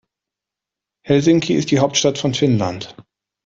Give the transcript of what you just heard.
Helsinki ist die Hauptstadt von Finnland.